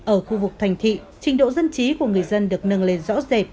ở khu vực thành thị trình độ dân trí của người dân được nâng lên rõ rệt